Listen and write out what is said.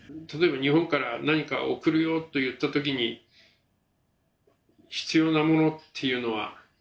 例えば日本から何か送るよといったときに、必要なものっていうのは？